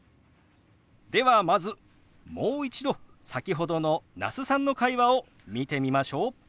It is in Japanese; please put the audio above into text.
ではまずもう一度先ほどの那須さんの会話を見てみましょう。